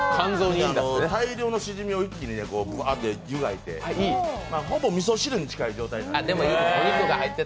大量のシジミをぶわーって湯がいてほぼみそ汁に近い状態ですね。